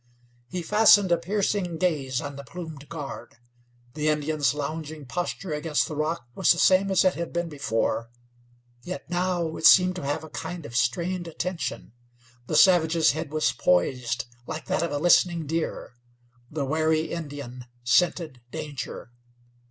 He fastened a piercing gaze on the plumed guard. The Indian's lounging posture against the rock was the same as it had been before, yet now it seemed to have a kind of strained attention. The savage's head was poised, like that of a listening deer. The wary Indian scented danger.